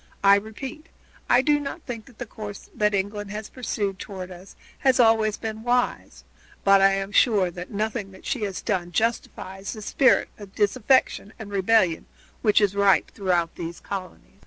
I repeat, I do not think that the course that England has pursued toward us has been always wise, but I am sure that nothing that she has done justifies the spirit of disaffection and rebellion which is ripe throughout these colonies."